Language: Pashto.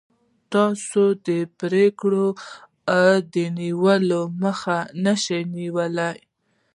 تاسو د پرېکړو د نیولو مخه نشئ نیولی.